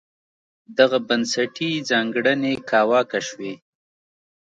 دغه بنسټي ځانګړنې کاواکه شوې.